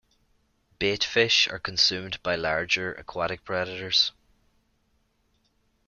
Bait fish are consumed by larger, aquatic predators.